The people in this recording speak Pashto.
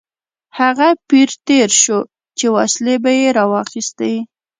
هغه پیر تېر شو چې وسلې به یې راواخیستې.